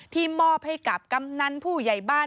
มอบให้กับกำนันผู้ใหญ่บ้าน